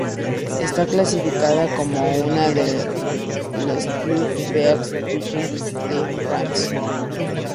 Está clasificada como una de "les plus beaux villages de France".